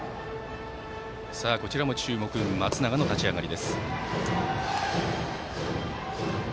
こちらも注目、松永の立ち上がり。